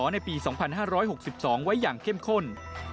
ในปี๒๕๖๒ไว้อย่างเข้มข้น